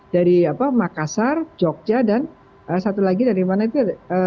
dari makassar jogja dan satu lagi dari mana itu